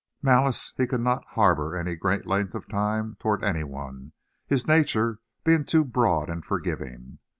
Malice he could not harbor any great length of time toward any one, his nature being too broad and forgiving.